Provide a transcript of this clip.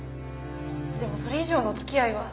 でもそれ以上のお付き合いは。